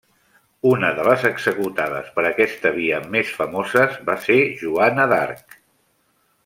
Una de les executades per aquesta via més famoses va ser Joana d'Arc.